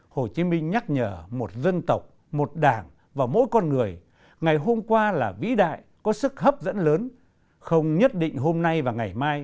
hồ chí minh nhắc nhở một dân tộc một đảng và mỗi con người ngày hôm qua là vĩ đại có sức hấp dẫn lớn không nhất định hôm nay và ngày mai